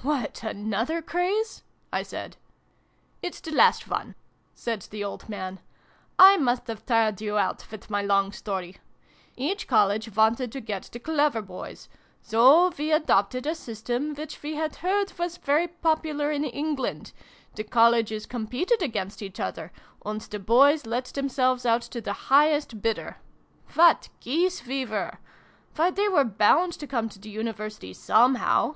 " What, another craze ?" I said. "It's the last one," said the old man. " I must have tired you out with my long story. Each College wanted to get the clever boys : so we adopted a system which we had heard was very popular in England : the Colleges competed against each other, and the boys let themselves out to the highest bidder ! What geese we were ! Why, they were bound xil] FAIRY MUSIC. 187 to come to the University somehow.